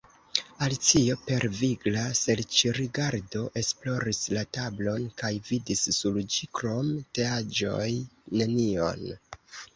Alicio per vigla serĉrigardo esploris la tablon, kaj vidis sur ĝi krom teaĵoj nenion.